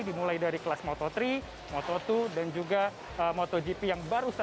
dimulai dari kelas moto tiga moto dua dan juga motogp yang baru saja